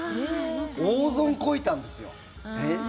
大損こいたんですよ。